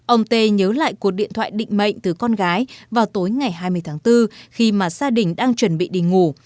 ông tê nhớ lại cuộc điện thoại định mệnh từ con gái vào tối ngày hai mươi tháng bốn khi mà gia đình đang chuẩn bị đi ngủ